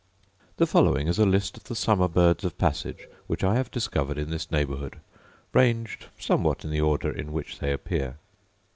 The following is a List of the Summer Birds of Passage which I have discovered in this neighbourhood, ranged somewhat in the order in which they appear.